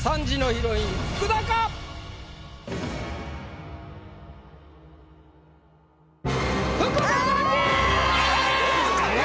３時のヒロイン福田か？